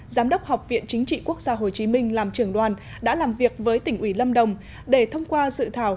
giám đốc học viện chính trị quốc gia hồ chí minh làm trưởng đoàn đã làm việc với tỉnh ủy lâm đồng để thông qua dự thảo